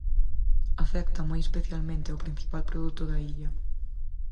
Afecta moi especialmente ao principal produto da illa.